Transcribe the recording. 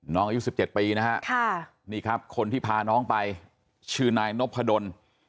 น้องอายุ๑๗ปีนะครับคนที่พาน้องไปชื่อนายนพดล